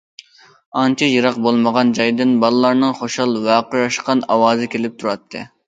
ئانچە يىراق بولمىغان جايدىن بالىلارنىڭ خۇشال ۋارقىراشقان ئاۋازى كېلىپ تۇراتتى.